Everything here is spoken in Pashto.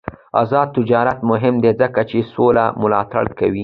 آزاد تجارت مهم دی ځکه چې سوله ملاتړ کوي.